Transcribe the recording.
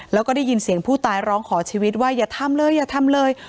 แล้วก็ได้ยินเสียงผู้ตายร้องขอชีวิตว่าอย่าทำเลยอย่าทำเลย